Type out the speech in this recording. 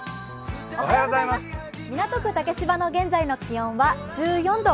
港区竹芝の現在の気温は１４度。